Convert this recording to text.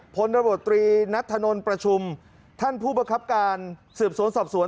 ผลระบบตรีนัดถนนประชุมท่านผู้ประคับการสืบสวนสอบสวน